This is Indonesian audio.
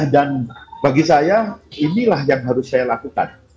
dan bagi saya inilah yang harus saya lakukan